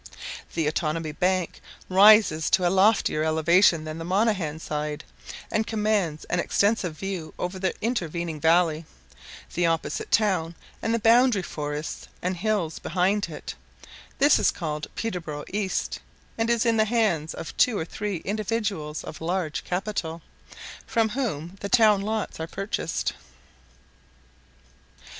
[Illustration: Spruce] The Otanabee bank rises to a loftier elevation than the Monaghan side, and commands an extensive view over the intervening valley, the opposite town, and the boundary forest and hills behind it: this is called Peterborough East, and is in the hands of two or three individuals of large capital, from whom the town lots are purchased.